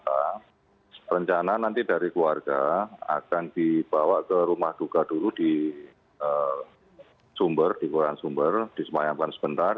karena rencana nanti dari keluarga akan dibawa ke rumah duka dulu di sumber di kualian sumber di semayang panas bentar